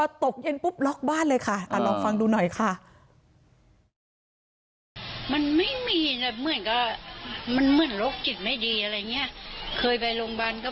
พอตกเย็นปุ๊บล็อกบ้านเลยค่ะลองฟังดูหน่อยค่ะ